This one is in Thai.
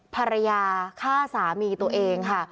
ภรรยาฆ่าสามีตัวเองค่ะ